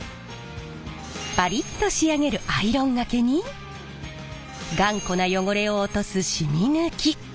パリッと仕上げるアイロンがけに頑固な汚れを落とすしみ抜き。